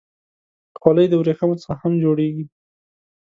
خولۍ د ورېښمو څخه هم جوړېږي.